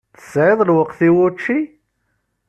Tesɛiḍ lweqt i wučči?